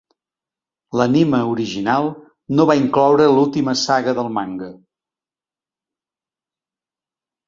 L'anime original no va incloure l'última saga del manga.